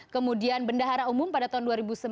kemudian bendahara umum pada tahun dua ribu sebelas